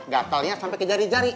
gatalnya sampai ke jari jari